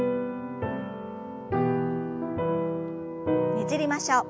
ねじりましょう。